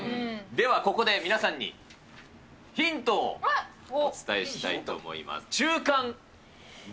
ではここで皆さんに、ヒントをお伝えしたいと思います。